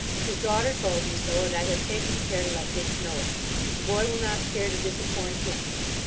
His daughter told me so, and I have taken care to let Dick know it. The boy will not care to disappoint him.